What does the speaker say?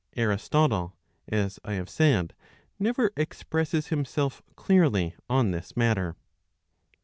^ Aristotle, as I have said, never expresses himself clearly on this matter.